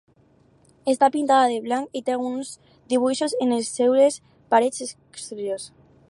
Està pintada de blanc i té alguns dibuixos en les seues parets exteriors.